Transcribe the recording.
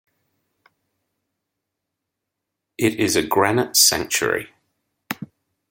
It is a granite sanctuary.